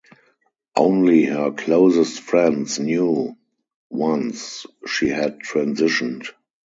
Only her closest friends knew once she had transitioned.